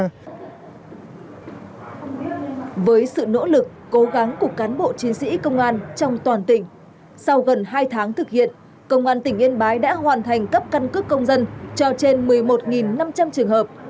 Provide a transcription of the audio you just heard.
với sự nỗ lực cố gắng của cán bộ chiến sĩ công an trong toàn tỉnh sau gần hai tháng thực hiện công an tỉnh yên bái đã hoàn thành cấp căn cước công dân cho trên một mươi một năm trăm linh trường hợp